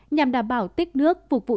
nhằm đảm bảo tích nước phục vụ